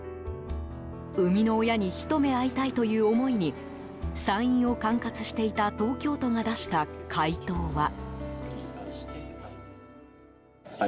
生みの親にひと目会いたいという思いに産院を管轄していた東京都が出した回答は。